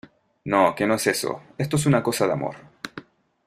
no, que no es eso. esto es una cosa de amor .